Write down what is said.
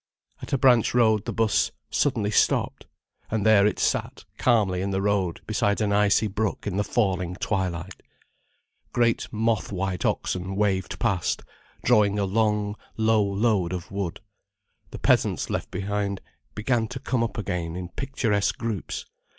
At a branch road the 'bus suddenly stopped, and there it sat calmly in the road beside an icy brook, in the falling twilight. Great moth white oxen waved past, drawing a long, low load of wood; the peasants left behind began to come up again, in picturesque groups.